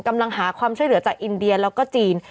กำลังหาความช่วยเหลือจากอินเดียแล้วก็จีน